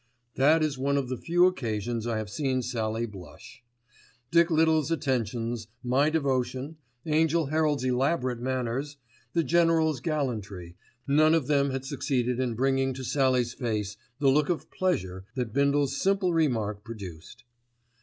That is one of the few occasions I have seen Sallie blush. Dick Little's attentions, my devotion, Angell Herald's elaborate manners, the General's gallantry; none of them had succeeded in bringing to Sallie's face the look of pleasure that Bindle's simple remark produced.